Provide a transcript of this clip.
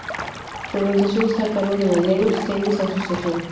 Su organización está a cargo de la Lawn Tennis Association.